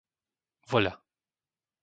Voľa